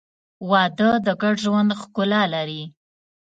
• واده د ګډ ژوند ښکلا لري.